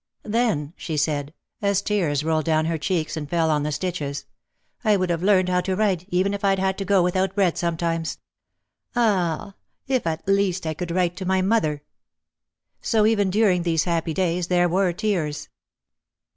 "Then," she said, as tears rolled down her cheeks and fell on the stitches, "I would have learned how to write even if I had had to go without bread sometimes. Ah, if at least I could write to my mother!" So even during these happy days there were tears.